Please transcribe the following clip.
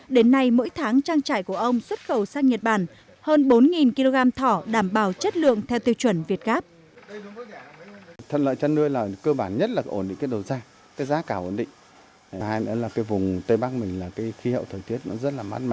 đến nay mỗi tháng trang trại của ông xuất khẩu sang nhật bản hơn bốn kg thỏ đảm bảo chất lượng theo tiêu chuẩn việt gáp